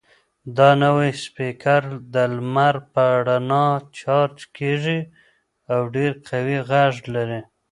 دا نوی سپیکر د لمر په رڼا چارج کیږي او ډېر قوي غږ لري.